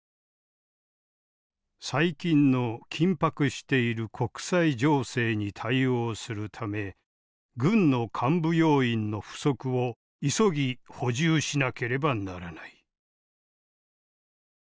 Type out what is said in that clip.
最近の緊迫している国際情勢に対応するため軍の幹部要員の不足を急ぎ補充しなければならない。